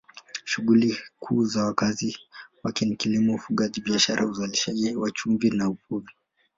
Shughuli kuu za wakazi wake ni kilimo, ufugaji, biashara, uzalishaji wa chumvi na uvuvi.